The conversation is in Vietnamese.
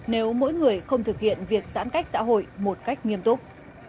nếu mỗi người không thực hiện việc giãn cách xã hội một cách nghiêm túc